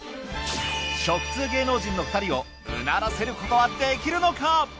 食通芸能人の２人をうならせることはできるのか！